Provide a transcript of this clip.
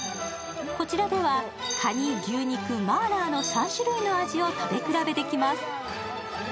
こちらでは、かに、牛肉、マーラーの３種類の味を食べ比べできます。